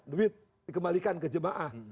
duit dikembalikan ke jemaah